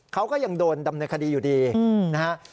เขาก็ยังโดนดำเนื้อคดีอยู่ดีนะครับ